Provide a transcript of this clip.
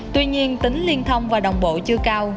tuy nhiên tính liên thông và đồng bộ chưa cao